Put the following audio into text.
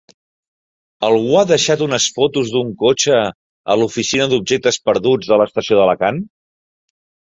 Algú ha deixat unes fotos d'un cotxe a l'oficina d'objectes perduts de l'estació d'Alacant?